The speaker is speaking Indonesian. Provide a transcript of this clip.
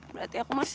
berarti aku masih